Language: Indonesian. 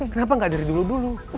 kenapa gak dari dulu dulu